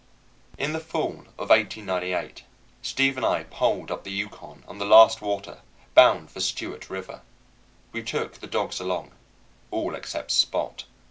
In the fall of 1898, Steve and I poled up the Yukon on the last water, bound for Stewart River. We took the dogs along, all except Spot.